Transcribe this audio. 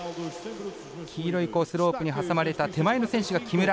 黄色いコースロープに挟まれた手前の選手が木村。